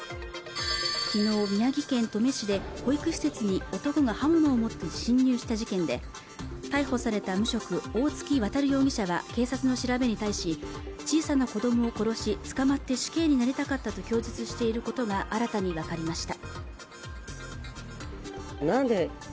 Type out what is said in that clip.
昨日宮城県登米市で保育施設に男が刃物を持って侵入した事件で逮捕された無職大槻渉容疑者は警察の調べに対し小さな子供を殺し捕まって死刑になりたかったと供述していることが新たに分かりました